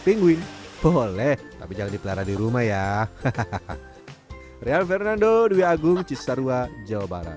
pingguin boleh tapi jangan dipelara di rumah ya hahaha rian fernando dwi agung cisarua jawa barat